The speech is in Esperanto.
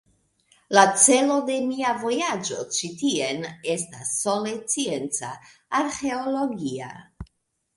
La celo de mia vojaĝo ĉi tien estas sole scienca, arĥeologia.